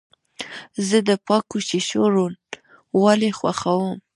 زه د پاکو شیشو روڼوالی خوښوم.